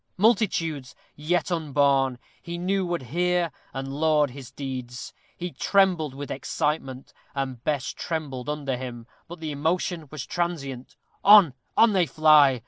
Multitudes, yet unborn, he knew would hear and laud his deeds. He trembled with excitement, and Bess trembled under him. But the emotion was transient. On, on they fly!